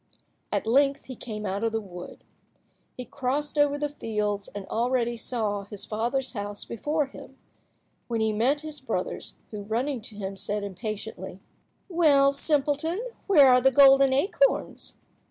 At length he came out of the wood. He crossed over the fields, and already saw his father's house before him, when he met his brothers, who, running to him, said impatiently— "Well, simpleton, where are the golden acorns?"